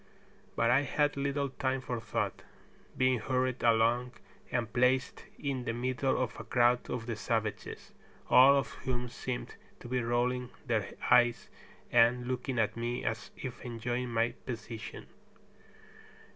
But I had little time for thought, being hurried along and placed in the middle of a crowd of the savages, all of whom seemed to be rolling their eyes and looking at me as if enjoying my position.